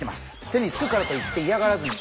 手につくからといっていやがらずに。